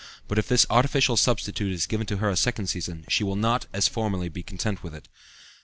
But if this artificial substitute is given to her a second season, she will not, as formerly, be content with it."